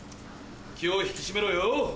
気を引き締めろよ！